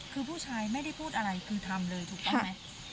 คือผู้ชายไม่ได้พูดอะไรคือทำเลยถูกต้องไหม